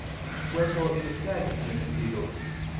Wherefore it is said in the Decretals (Dist.